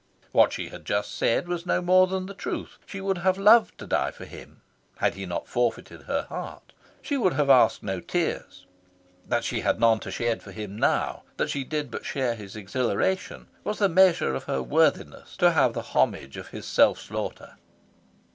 What she had just said was no more than the truth: she would have loved to die for him, had he not forfeited her heart. She would have asked no tears. That she had none to shed for him now, that she did but share his exhilaration, was the measure of her worthiness to have the homage of his self slaughter.